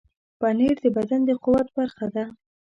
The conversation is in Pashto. پنېر د بدن د قوت برخه ده.